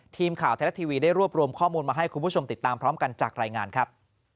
ทีมข่าวไทยรัฐทีวีได้รวบรวมข้อมูลมาให้คุณผู้ชมติดตามพร้อมกันจากรายงานครับ